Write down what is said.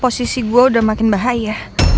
posisi gue udah makin bahaya